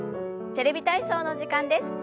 「テレビ体操」の時間です。